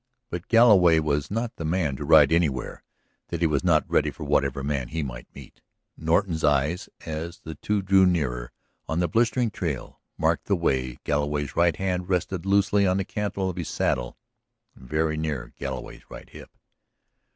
But Galloway was not the man to ride anywhere that he was not ready for whatever man he might meet; Norton's eyes, as the two drew nearer on the blistering trail, marked the way Galloway's right hand rested loosely on the cantle of his saddle and very near Galloway's right hip.